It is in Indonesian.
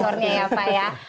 rekordnya ya pak ya